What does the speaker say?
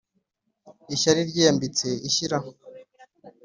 ishyari ryiyambitse ishyira